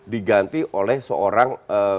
diganti oleh seorang